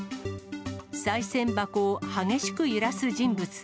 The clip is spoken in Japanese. さい銭箱を激しく揺らす人物。